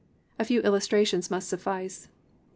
A few illustrations must suffice.